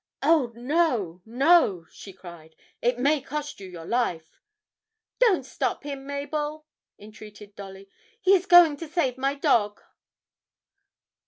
'Oh, no no,' she cried; 'it may cost you your life!' 'Don't stop him, Mabel,' entreated Dolly; 'he is going to save my dog.'